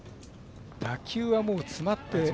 打球も詰まって。